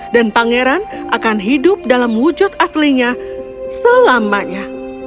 dan pangeran akan hidup dalam wujud aslinya selamanya